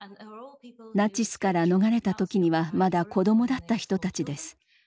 ナチスから逃れた時にはまだ子どもだった人たちです。